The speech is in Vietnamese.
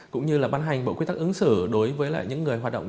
cũng như là ban hành bộ quy tắc ứng xử đối với những người hoạt động